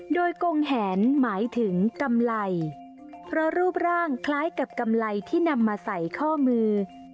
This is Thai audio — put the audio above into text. โดยกงแหนหมายถึงกำไรเพราะรูปร่างคล้ายกับกำไรที่นำมาใส่ข้อมือ